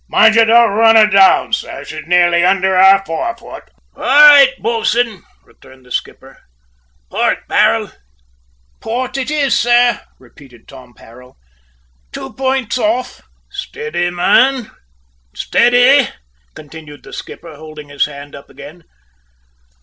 Mind you don't run her down, sir. She's nearly under our forefoot." "All right, bo'sun," returned the skipper. "Port, Parrell!" "Port it is, sir," repeated Tom Parrell. "Two points off." "Steady, man, steady," continued the skipper, holding his hand up again.